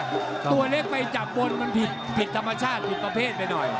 ตัวเล็กไปจับบนมันผิดธรรมชาติผิดประเภทไปหน่อย